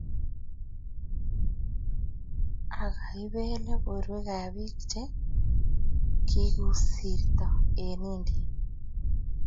akaibele borwekab biik che kikusirto eng' India.